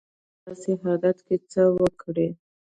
هغه بايد په داسې حالت کې څه وکړي؟